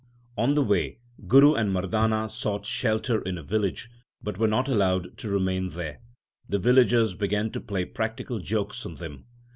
On the way Guru and Mardana sought shelter in a village, but were not allowed to remain there. The villagers began to play practical jokes on them.